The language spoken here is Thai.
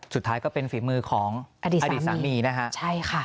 สุดท้ายก็เป็นฝีมือของอดีตอดีตสามีนะฮะใช่ค่ะ